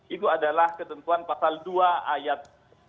itu adalah ketentuan pasal dua ayat